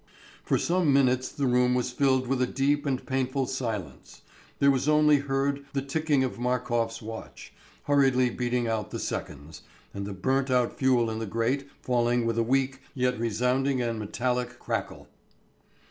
For some minutes the room was filled with a deep and painful silence; there was only heard the ticking of Markof's watch, hurriedly beating out the seconds, and the burnt out fuel in the grate falling with a weak, yet resounding and metallic, crackle.